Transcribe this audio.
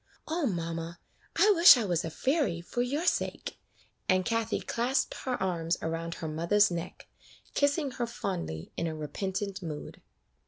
"O mamma! I wish I was a fairy, for your sake;" and Kathie clasped her arms around her mother's neck, kissing her fondly, in a repentant mood.